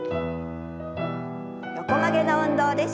横曲げの運動です。